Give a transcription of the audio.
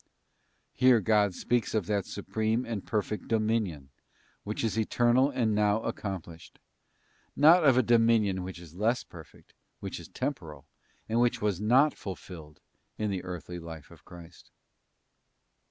'* Here God speaks of that supreme and perfect dominion, which is eternal and now accomplished; not of a dominion which is less perfect, which is temporal, and which was not fulfilled in the earthly life of Christ.